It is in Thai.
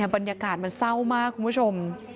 บรรยากาศมันเศร้ามากคุณผู้ชม